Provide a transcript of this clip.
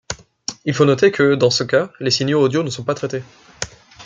Il faut noter que, dans ce cas, les signaux audio ne sont pas traités.